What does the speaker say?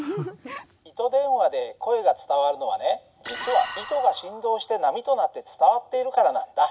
「糸電話で声が伝わるのはね実は糸が振動して波となって伝わっているからなんだ」。